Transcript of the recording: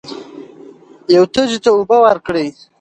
یو تږي ته اوبه ورکړئ.